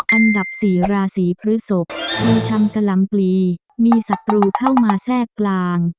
อันดับสี่ราศีพฤศพเชชำกะลำปลีมีศัตรูเข้ามาแทรกกลาง